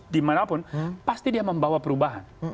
dimanapun pasti dia membawa perubahan